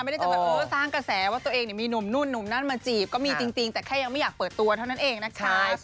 จะแบบเออสร้างกระแสว่าตัวเองมีหนุ่มนู่นหนุ่มนั่นมาจีบก็มีจริงแต่แค่ยังไม่อยากเปิดตัวเท่านั้นเองนะคะ